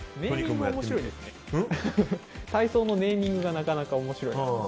体操のネーミングがなかなか面白いですね。